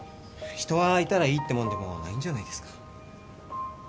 人はいたらいいってもんでもないんじゃないですか？